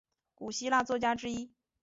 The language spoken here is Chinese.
古希腊作家之一。